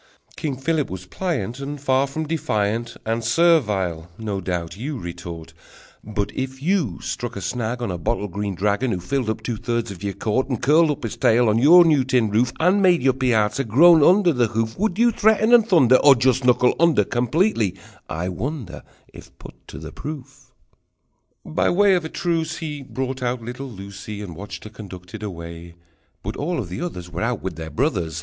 King Philip was pliant, And far from defiant "And servile," no doubt you retort! But if you struck a snag on A bottle green dragon, Who filled up two thirds of your court, And curled up his tail on your new tin roof, And made your piazza groan under his hoof, Would you threaten and thunder, Or just knuckle under Completely, I wonder, If put to proof? By way of a truce, he Brought out little Lucie And watched her conducted away, But all of the others Were out with their brothers!